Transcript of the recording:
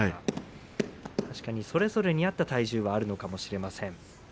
確かにそれぞれに合った体重があるのかもしれません。